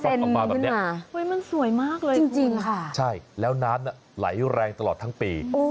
เฮ้ยมันสวยมากเลยครับผมใช่แล้วน้ำไหลแรงตลอดทั้งปี